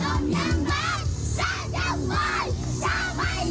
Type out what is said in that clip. ส่งยังแบบไหวแบบไหว